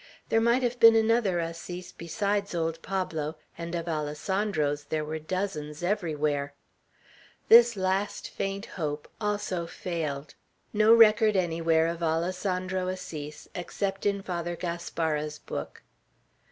There might have been another Assis besides old Pablo, and of Alessandros there were dozens everywhere. This last faint hope also failed. No record anywhere of an Alessandro Assis, except in Father Gaspara's book.